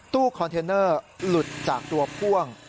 ตู้คอนเทนเนอร์หลุดจากตัวพ่วง